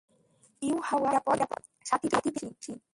ইউহাওয়া নিরাপদ সাথি পেয়ে খুশী।